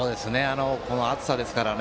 この暑さですからね